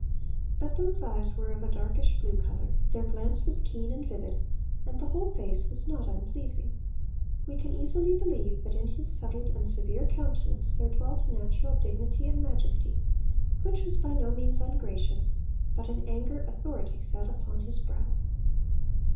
But those eyes were of a darkish blue colour, their glance was keen and vivid, and the whole face was 'not unpleasing.' We can easily believe that 'in his settled and severe countenance there dwelt a natural dignity and majesty, which was by no means ungracious, but in anger authority sat upon his brow.'